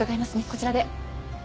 こちらで。